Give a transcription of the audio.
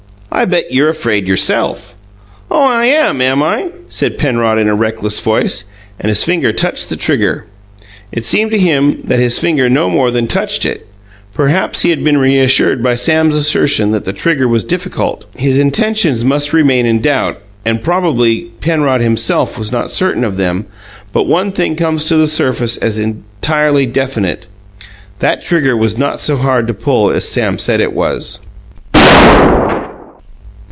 I bet you're afraid yourself." "Oh, I am, am I?" said Penrod, in a reckless voice and his finger touched the trigger. It seemed to him that his finger no more than touched it; perhaps he had been reassured by Sam's assertion that the trigger was difficult. His intentions must remain in doubt, and probably Penrod himself was not certain of them; but one thing comes to the surface as entirely definite that trigger was not so hard to pull as Sam said it was.